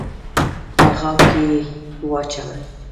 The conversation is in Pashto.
په غاب کي یې واچوه !